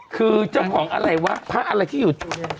คือเจ้าของอะไรวะพระอะไรที่อยู่